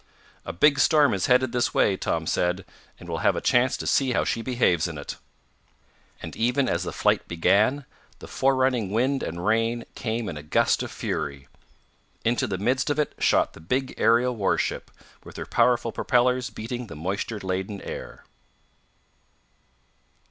"A big storm is headed this way," Tom said, "and we'll have a chance to see how she behaves in it." And even as the flight began, the forerunning wind and rain came in a gust of fury. Into the midst of it shot the big aerial warship, with her powerful propellers beating the moisture laden air.